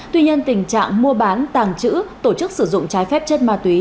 tuy nhiên tình trạng mua bán tàng trữ tổ chức sử dụng trái phép chất ma túy